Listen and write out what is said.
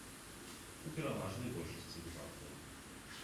У пераважнай большасці выпадкаў.